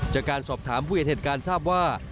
จากการสอบถามผู้เห็นเหตุการณ์ทราบว่า